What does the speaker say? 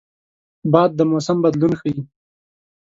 باد د موسم بدلون ښيي